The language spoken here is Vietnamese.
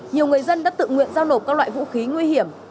nhiều người dân đã tự nguyện giao nộp các loại vũ khí nguy hiểm